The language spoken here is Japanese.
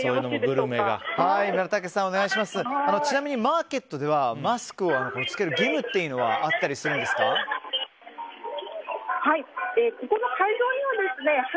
村武さん、ちなみにマーケットではマスクを着ける義務はあったりするんですか？